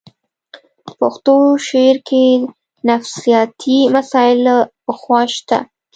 پښتو شعر کې نفسیاتي مسایل له پخوا شته